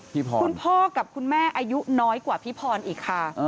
คุณพ่อกับคุณแม่อายุน้อยกว่าพี่พรอีกค่ะ